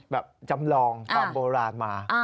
จำลองตามโบราณมา